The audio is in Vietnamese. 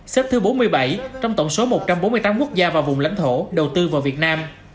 xếp thứ bốn mươi bảy trong tổng số một trăm bốn mươi tám quốc gia và vùng lãnh thổ đầu tư vào việt nam